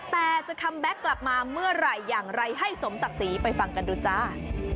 แต่จะคัมแบ็คกลับมาเมื่อไหร่อย่างไรให้สมศักดิ์ศรีไปฟังกันดูจ้า